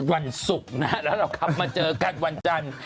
วันศุกร์นะฮะแล้วเรากลับมาเจอกันวันจันทร์